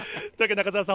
中澤さん